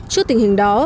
trước tình hình đó